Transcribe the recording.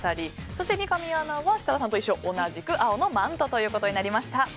そして三上アナは設楽さんと一緒同じく青のマントということになりました。